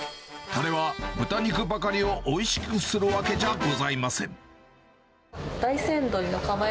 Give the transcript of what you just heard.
たれは、豚肉ばかりをおいしくするわけじゃございません。